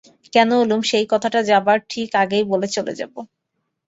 কেন এলুম সেই কথাটা যাবার ঠিক আগেই বলে চলে যাব।